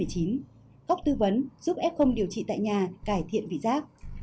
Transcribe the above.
góc tư vấn giúp f điều trị tại nhà cải thiện vị giác